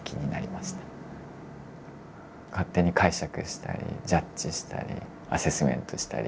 勝手に解釈したりジャッジしたりアセスメントしたり。